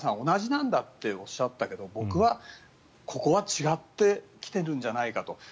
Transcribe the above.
同じなんだっておっしゃったけど僕はここは違ってきてるんじゃないかと。